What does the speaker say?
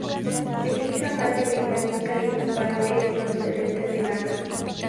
Es hija de madre británica y padre procedente de Ghana.